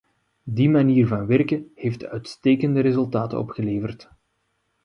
Die manier van werken heeft uitstekende resultaten opgeleverd.